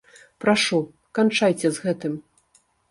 Прашу, канчайце з гэтым.